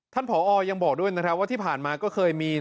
ผอยังบอกด้วยนะครับว่าที่ผ่านมาก็เคยมี